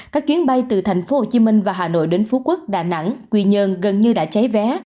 các chuyến bay từ thành phố hồ chí minh và hà nội đến phú quốc đà nẵng quỳ nhơn gần như đã cháy vé